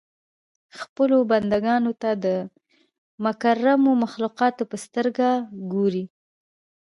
خپلو بنده ګانو ته د مکرمو مخلوقاتو په سترګه ګوري.